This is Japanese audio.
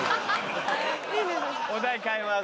お題変えます。